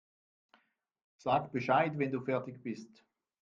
Sag Bescheid, wenn du fertig bist.